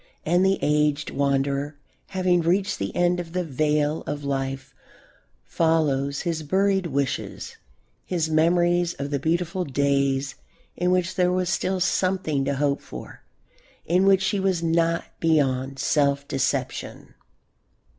And the aged wanderer, having reached the end of the vale of life, follows his buried wishes, his memories of the beautiful days in which there was still something to hope for, in which he was not beyond self deception.